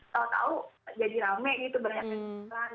kalau tahu jadi rame gitu berani berani